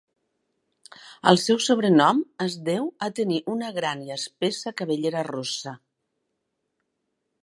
El seu sobrenom és deu a tenir una gran i espessa cabellera rossa.